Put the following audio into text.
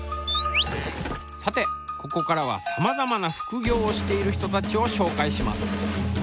さてここからはさまざまな副業をしている人たちを紹介します。